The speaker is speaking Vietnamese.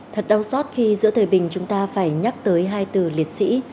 thật đau xót khi giữa thời bình chúng ta phải nhắc tới hai từ liệt sĩ